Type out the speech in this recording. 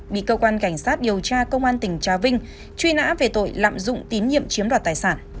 bị cơ quan cảnh sát điều tra công an tỉnh trà vinh truy nã về tội lạm dụng tín nhiệm chiếm đoạt tài sản